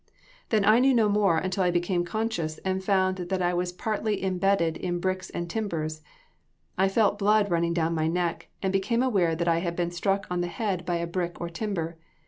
Then I knew no more until I became conscious, and found that I was partially imbedded in bricks and timbers. I felt blood running down my neck and became aware that I had been struck on the head by a brick or timber.